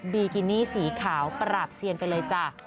บีกินี่สีขาวปราบเซียนไปเลยจ้ะ